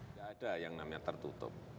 nggak ada yang namanya tertutup